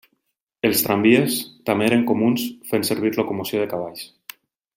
Els tramvies també eren comuns fent servir locomoció de cavalls.